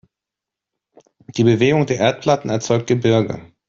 Die Bewegung der Erdplatten erzeugt Gebirge.